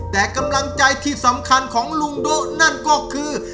แต่กำลังใจที่สำคัญของลุงโด๊ะนั่นก็คือ